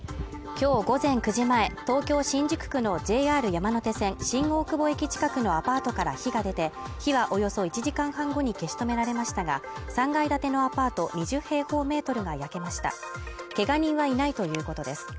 今日午前９時前東京新宿区のＪＲ山手線新大久保駅近くのアパートから火が出て火はおよそ１時間半後に消し止められましたが３階建てのアパート２０平方メートルが焼けましたけが人はいないということです